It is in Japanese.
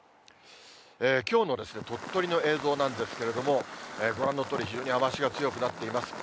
きょうの鳥取の映像なんですけれども、ご覧のとおり、非常に雨足が強くなっています。